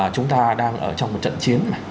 chúng ta đang ở trong một trận chiến